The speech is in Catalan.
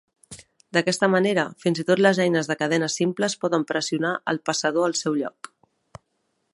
D'aquesta manera, fins i tot les eines de cadena simples poden pressionar el passador al seu lloc.